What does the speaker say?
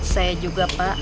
saya juga pak